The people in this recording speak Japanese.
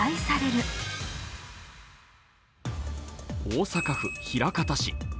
大阪府枚方市。